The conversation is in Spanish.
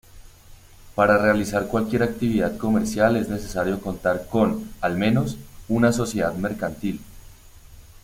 Para realizar cualquier actividad comercial es necesario contar con, al menos, una sociedad mercantil.